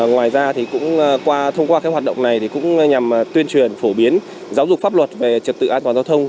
ngoài ra thì cũng qua thông qua cái hoạt động này thì cũng nhằm tuyên truyền phổ biến giáo dục pháp luật về trật tự an toàn giao thông